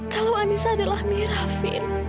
kalau anissa adalah mira vin